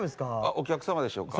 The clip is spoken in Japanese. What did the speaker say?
お客様でしょうか？